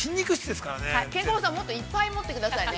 ケンコバさん、もっといっぱい持ってくださいね。